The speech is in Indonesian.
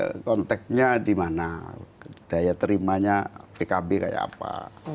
nah konteknya di mana daya terimanya pkb kayak apa